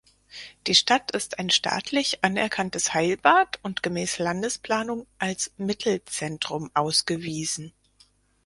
Die Stadt ist ein staatlich anerkanntes Heilbad und gemäß Landesplanung als Mittelzentrum ausgewiesen.